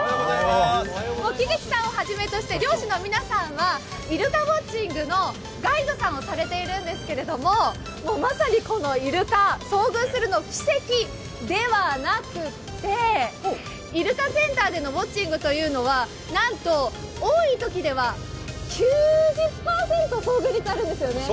木口さんをはじめとして漁師の皆さんはイルカウォッチングのガイドさんをされているんですけれども、まさにこのイルカ、遭遇するのは奇跡ではなくて、イルカセンターでのウォッチングはなんと多いときでは９０％、遭遇率あるんですよね。